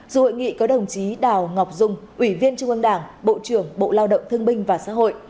dù hội nghị có đồng chí đào ngọc dung ủy viên trung ương đảng bộ trưởng bộ lao động thương binh và xã hội